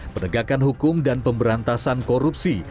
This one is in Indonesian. penegakan hukum dan pemberantasan korupsi